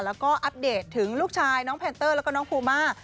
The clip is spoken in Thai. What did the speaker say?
แล้วก็อัปเดตถึงลูกชายน้องแพนเตอร์แล้วก็น้องภูมา